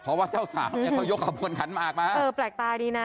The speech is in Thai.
เพราะว่าเจ้าสาวเนี่ยเขายกขบวนขันหมากมาเออแปลกตาดีนะ